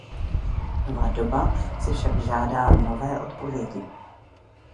Nová doba si však žádá nové odpovědi.